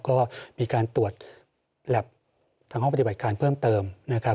ก็มีการตรวจแล็บทางห้องปฏิบัติการเพิ่มเติมนะครับ